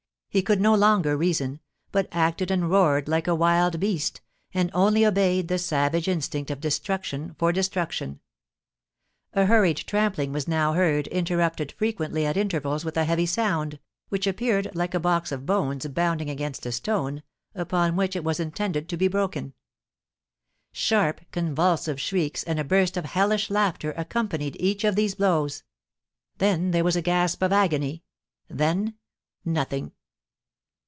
He could no longer reason, but acted and roared like a wild beast, and only obeyed the savage instinct of destruction for destruction. A hurried trampling was now heard, interrupted frequently at intervals with a heavy sound, which appeared like a box of bones bounding against a stone, upon which it was intended to be broken. Sharp, convulsive shrieks, and a burst of hellish laughter accompanied each of these blows. Then there was a gasp of agony. Then nothing.